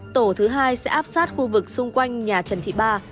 tổ thứ hai sẽ áp sát khu vực xung quanh nhà trần thị ba